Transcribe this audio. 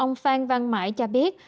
ông phan văn mãi cho biết